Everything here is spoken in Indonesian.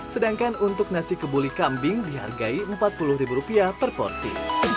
sedangkan untuk nasi kebuli kambing dihargai empat puluh ribu rupiah per porsi